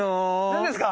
何ですか？